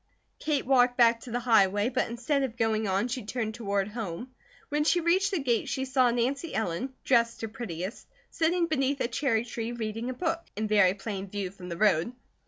Kate walked back to the highway, but instead of going on she turned toward home. When she reached the gate she saw Nancy Ellen, dressed her prettiest, sitting beneath a cherry tree reading a book, in very plain view from the road.